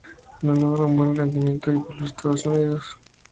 No logra un buen rendimiento y vuelve a Estados Unidos.